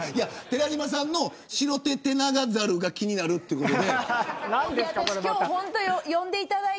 寺島さんのシロテテナガザルが気になるってことで。